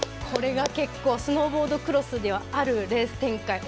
これが結構スノーボードクロスにはあるレース展開